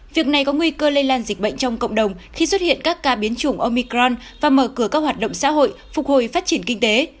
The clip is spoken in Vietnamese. việc này có nguy cơ lây lan dịch bệnh trong cộng đồng khi xuất hiện các ca biến chủng omicron và mở cửa các hoạt động xã hội phục hồi phát triển kinh tế